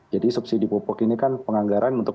jadi subsidi pupuk ini kan penganggaran untuk dua ribu dua puluh